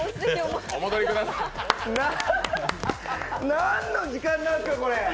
何の時間なんですか、これ！